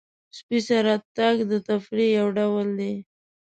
سپي سره تګ د تفریح یو ډول دی.